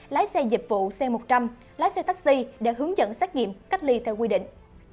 lái xe dịch vụ c một trăm linh lái xe taxi để hướng dẫn xét nghiệm cách ly theo quy định